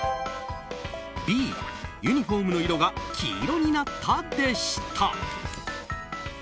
Ｂ、ユニホームの色が黄色になった、でした。